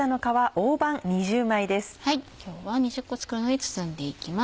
今日は２０個作るので包んでいきます。